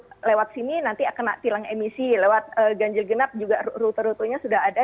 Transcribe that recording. jadi lewat sini nanti kena tilang emisi lewat ganjil genap juga rute rutenya sudah ada